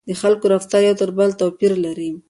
د خلکو رفتار یو تر بل توپیر لري.